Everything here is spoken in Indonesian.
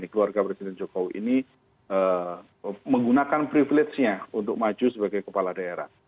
keluarga presiden jokowi ini menggunakan privilege nya untuk maju sebagai kepala daerah